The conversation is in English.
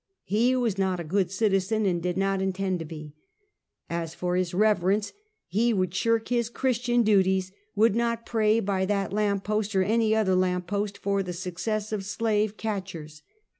He was not a good citizen, and did not intend to be. As for his Reverence, he would shirk his Christian duties; would not pray by that lamp post, or any other lamp post, for the success of slave catchers.